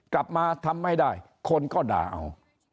กลับมาทำไม่ได้คนก็ด่าเอา